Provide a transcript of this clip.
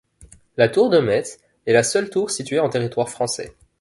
La tour de Metz est la seule tour située en territoire français.